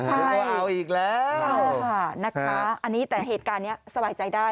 ใช่ใช่นะคะอันนี้แต่เหตุการณ์นี้สบายใจได้